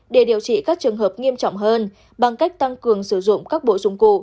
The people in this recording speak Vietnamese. để điều trị các trường hợp nghiêm trọng hơn bằng cách tăng cường sử dụng các bộ dụng cụ